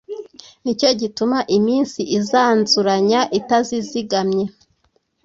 Ni cyo gituma iminsi izanzuranya itazizigamye!